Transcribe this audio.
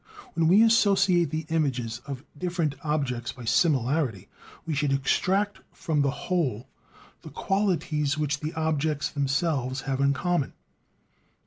When we associate the images of different objects by similarity, we should extract from the whole the qualities which the objects themselves have in common.